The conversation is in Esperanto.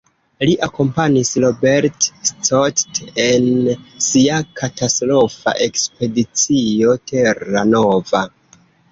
Li akompanis Robert Scott en sia katastrofa Ekspedicio Terra Nova.